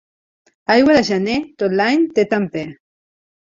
Aigua de gener tot l'any té temper.